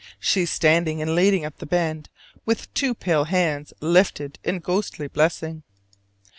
She stands leaning up the bend with two pale hands lifted in ghostly blessing.